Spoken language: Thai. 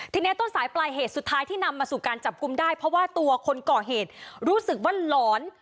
ทีนี้ต้นสายปลายเหตุสุดท้ายที่นำมาสู่การจับกลุ่มได้เพราะว่าตัวคนก่อเหตุรู้สึกว่าหลอน